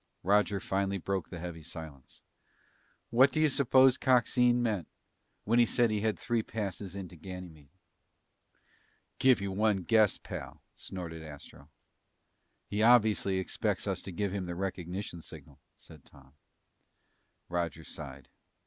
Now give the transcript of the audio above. Roger finally broke the heavy silence. "What do you suppose Coxine meant when he said he had three passes into Ganymede?" "Give you one guess, pal," snorted Astro. "He obviously expects us to give him the recognition signal," said Tom. Roger sighed.